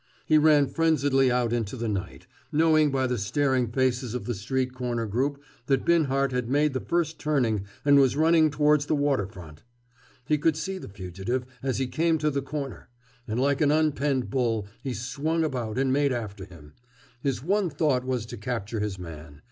He ran frenziedly out into the night, knowing by the staring faces of the street corner group that Binhart had made the first turning and was running towards the water front. He could see the fugitive, as he came to the corner; and like an unpenned bull he swung about and made after him. His one thought was to capture his man.